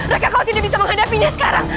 maka kau tidak bisa menghadapinya sekarang